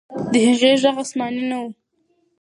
د هغې ږغ آسماني نه و.